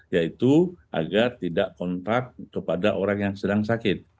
yaitu agar tidak kontrak kepada orang yang sedang sakit